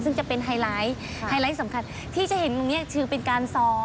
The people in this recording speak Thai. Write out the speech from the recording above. ซึ่งจะเป็นไฮไลท์ไฮไลท์สำคัญที่จะเห็นตรงนี้ถือเป็นการซ้อม